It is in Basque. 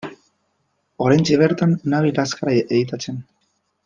Oraintxe bertan nabil azkar editatzen.